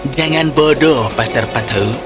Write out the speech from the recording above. jangan bodoh pastor patu